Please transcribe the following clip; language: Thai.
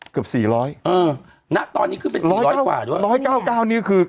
เกือบสี่ร้อยเออณตอนนี้ขึ้นเป็นสี่ร้อยกว่าด้วยร้อยเก้าเก้านี่คือ